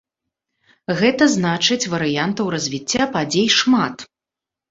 Гэта значыць варыянтаў развіцця падзей шмат.